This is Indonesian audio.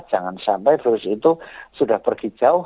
jangan sampai virus itu sudah pergi jauh